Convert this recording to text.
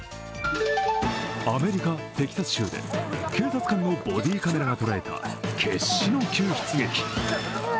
アメリカ・テキサス州で警察のボディーカメラが捉えた決死の救出劇。